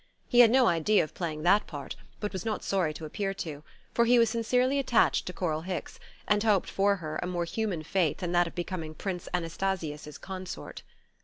He had no idea of playing that part, but was not sorry to appear to; for he was sincerely attached to Coral Hicks, and hoped for her a more human fate than that of becoming Prince Anastasius's consort.